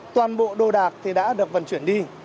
toàn bộ đồ đạc thì đã được vận chuyển đi